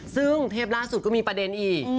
ซึ่งเทปล่าสุดก็มีประเด็นอีก